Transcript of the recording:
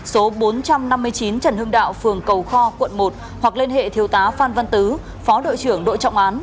số bốn trăm năm mươi chín trần hưng đạo phường cầu kho quận một hoặc liên hệ thiếu tá phan văn tứ phó đội trưởng đội trọng án